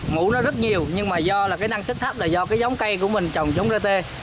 ngủ nó rất nhiều nhưng mà do là cái năng sức thấp là do cái giống cây của mình trồng giống rat